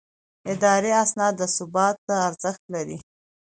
اداري اسناد د ثبوت ارزښت لري.